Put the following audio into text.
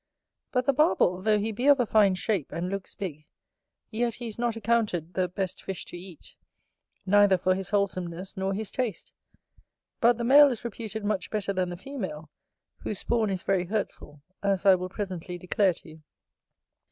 But the Barbel, though he be of a fine shape, and looks big, yet he is not accounted the best fish to eat, neither for his wholesomeness nor his taste; but the male is reputed much better than the female, whose spawn is very hurtful, as I will presently declare to you.